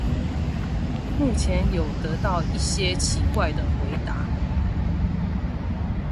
目前有得到一些奇怪的回答